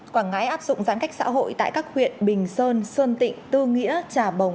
quảng ngãi áp dụng giãn cách xã hội tại các huyện bình sơn sơn tịnh tư nghĩa trà bồng